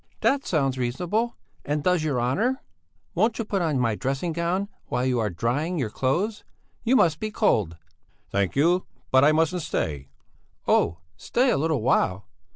"That sounds reasonable and does you honour. Won't you put on my dressing gown while you are drying your clothes? You must be cold." "Thank you! But I mustn't stay." "Oh! Stay a little while!